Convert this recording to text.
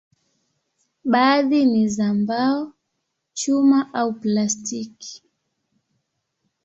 Baadhi ni za mbao, chuma au plastiki.